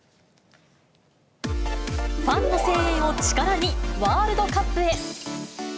ファンの声援を力に、ワールドカップへ。